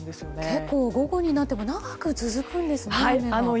結構午後になっても長く続くんですね、雨が。